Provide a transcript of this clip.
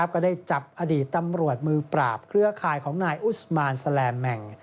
ก็ได้จับอดีตตำรวจมือปราบเครือข่ายของนายอุสมานแสลมแมง